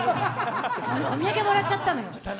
お土産もらっちゃったのよ。